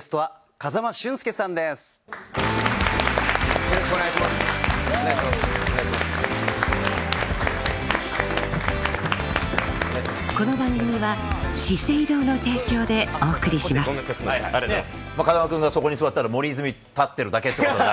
風間君がそこに座ったら森泉立ってるだけってことに。